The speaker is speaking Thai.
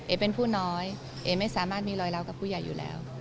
เป็นผู้น้อยเอ๋ไม่สามารถมีรอยร้าวกับผู้ใหญ่อยู่แล้ว